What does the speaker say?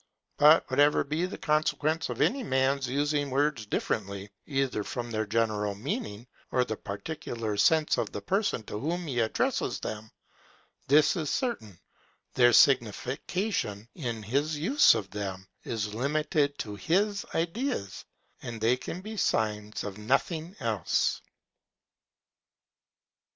But whatever be the consequence of any man's using of words differently, either from their general meaning, or the particular sense of the person to whom he addresses them; this is certain, their signification, in his use of them, is limited to his ideas, and they can be signs of nothing else.